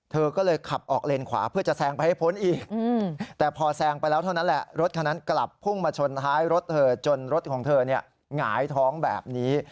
เธอก็เลยขับออกเลนขวาเพื่อจะแซงไปให้พ้นอีกแต่พอแซงไปแล้วเท่านั้นแหละรถคันนั้นกลับพุ่งมาชนท้ายรถเธอจนรถของเธอหงายท้องแบบนี้